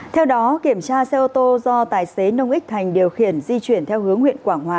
theo đó kiểm tra xe ô tô do tài xế nông ích thành điều khiển di chuyển theo hướng huyện quảng hòa